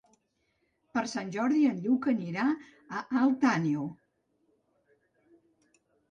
Per Sant Jordi en Lluc anirà a Alt Àneu.